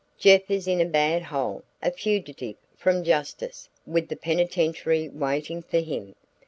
"Jeff is in a bad hole, a fugitive from justice with the penitentiary waiting for him.